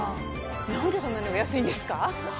何でそんなにお安いんですか？